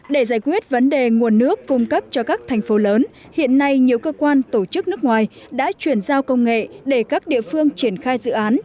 để giải quyết vấn đề nguồn nước cung cấp cho các thành phố lớn hiện nay nhiều cơ quan tổ chức nước ngoài đã chuyển giao công nghệ để các địa phương triển khai dự án